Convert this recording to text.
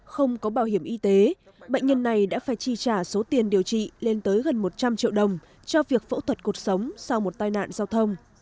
không có bảo hiểm y tế bệnh nhân này đã phải chi trả số tiền điều trị lên tới gần một trăm linh triệu đồng cho việc phẫu thuật cuộc sống sau một tai nạn giao thông